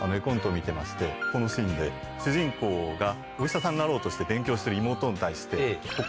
このシーンで主人公がお医者さんになろうとして勉強してる妹に対して。